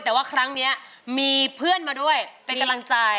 แต่ว่าครั้งนี้มีเพื่อนมาด้วยเป็นกำลังใจ